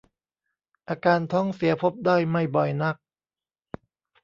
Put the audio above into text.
อาการท้องเสียพบได้ไม่บ่อยนัก